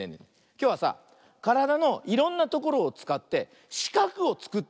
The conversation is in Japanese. きょうはさからだのいろんなところをつかってしかくをつくってみるよ。